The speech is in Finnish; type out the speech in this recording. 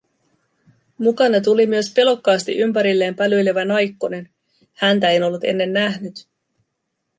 Mukana tuli myös pelokkaasti ympärilleen pälyilevä naikkonen - häntä en ollut ennen nähnyt.